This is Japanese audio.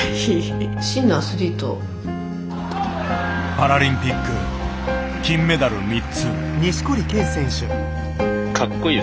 パラリンピック金メダル３つ。